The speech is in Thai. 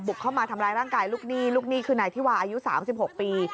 เข้ามาทำร้ายร่างกายลูกหนี้ลูกหนี้คือนายธิวาอายุ๓๖ปี